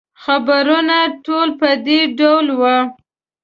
خبرونه ټول په دې ډول وو.